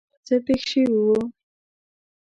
څه پېښ شوي وو.